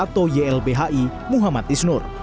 dan lbhi muhammad isnur